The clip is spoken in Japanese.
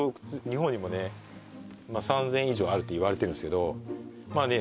日本にもね３０００以上あるといわれてるんですけどまあね